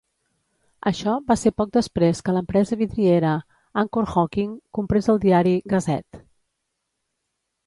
Això va ser poc després que l'empresa vidriera Anchor-Hocking comprés el diari "Gazette".